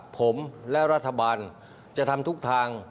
ผมและรัฐบาลจะทำทุกทาง